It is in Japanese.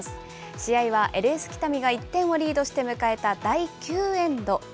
試合はＬＳ北見が１点をリードして迎えた第９エンド。